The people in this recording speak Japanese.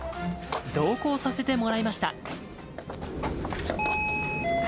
同行させてもらいました。